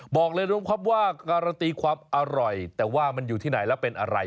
บอกเลยนะครับว่าการันตีความอร่อยแต่ว่ามันอยู่ที่ไหนแล้วเป็นอะไร